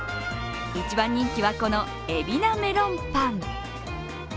一番人気は、この海老名メロンパン。